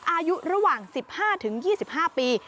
อายุระหว่าง๑๕๒๕ปี